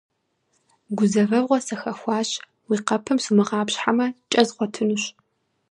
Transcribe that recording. - Гузэвэгъуэ сыхэхуащ, уи къэпым сумыгъапщхьэмэ, кӏэ згъуэтынущ.